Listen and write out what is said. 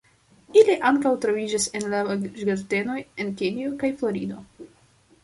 Ili ankaŭ troviĝas en la ĝardenoj en Kenjo kaj Florido.